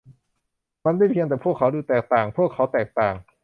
มันไม่เพียงแต่พวกเขาดูแตกต่าง พวกเขาแตกต่าง